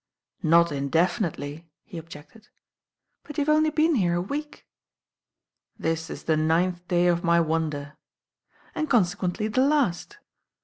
"Not indefinitely," he objected. "But you've only been here a week." "This is the ninth day of my wonder." "And consequently the last."